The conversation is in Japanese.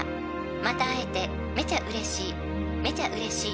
「また会えてめちゃ嬉しいめちゃ嬉しい」